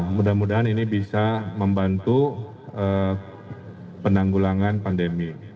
mudah mudahan ini bisa membantu penanggulangan pandemi